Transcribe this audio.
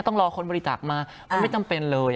ต้องรอคนบริจาคมามันไม่จำเป็นเลย